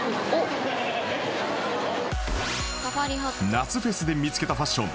夏フェスで見つけたファッション